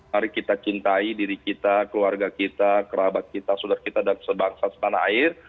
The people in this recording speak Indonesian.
mari kita cintai diri kita keluarga kita kerabat kita saudara kita dan sebangsa setanah air